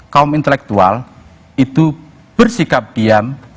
kaum intelektual itu bersikap diam